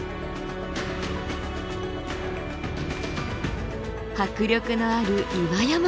迫力のある岩山も！